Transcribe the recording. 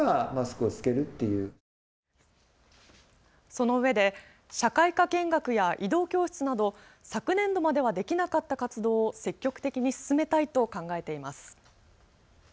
そのうえで社会科見学や移動教室など昨年度まではできなかった活動を積極的に進めたいと考えています。